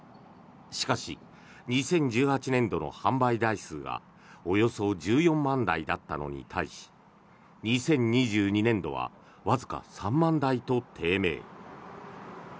しかし２０１８年度の販売台数がおよそ１４万台だったのに対し２０２２年度はわずか３万台と低迷。